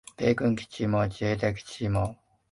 米軍基地も自衛隊基地も